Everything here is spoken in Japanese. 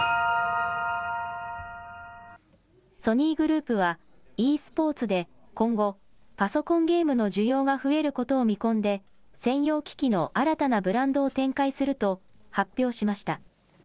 ソニーグループはｅスポーツで今後、パソコンゲームの需要が増えることを見込んで専用機器の新たなブランドを展開すると発表しました。